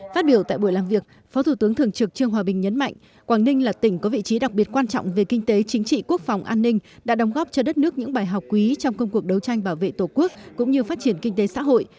phát biểu tại buổi làm việc phó thủ tướng thường trực trương hòa bình nhấn mạnh quảng ninh là tỉnh có vị trí đặc biệt quan trọng về kinh tế chính trị quốc phòng an ninh đã đóng góp cho đất nước những bài học quý trong công cuộc đấu tranh bảo vệ tổ quốc cũng như phát triển kinh tế xã hội